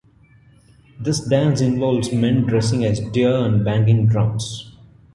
This dance involves men dressing as deer and banging drums.